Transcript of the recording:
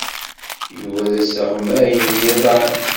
Yuba d asleɣmay n yiḍan.